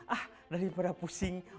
ah daripada pusing